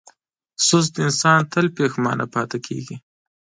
سست انسان تل پښېمانه پاتې کېږي.